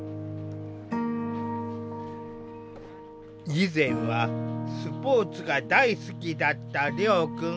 以前はスポーツが大好きだった遼くん。